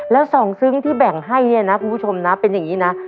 แล้วสองซึ้งที่แบ่งให้เนี่ยนะคุณผู้ชมนะเป็นอย่างนี้นะ